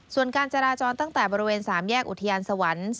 ส่วนการจราจรตั้งแต่บริเวณ๓แยกอุทยานสวรรค์